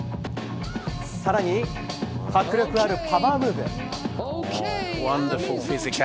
更に、迫力あるパワームーブ。